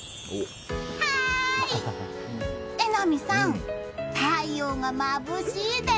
榎並さん、太陽がまぶしいです！